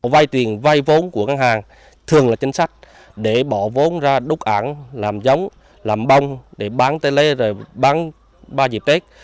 vai tiền vai vốn của ngân hàng thường là chính sách để bỏ vốn ra đúc ảnh làm giống làm bông để bán tê lê bán ba dịp tết